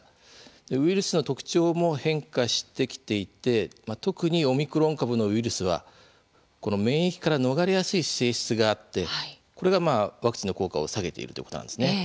ウイルスの特徴も変化してきていて特にオミクロン株のウイルスは免疫から逃れやすい性質があってこれがワクチンの効果を下げているということなんですね。